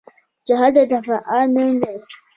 جهاد د دفاع نوم دی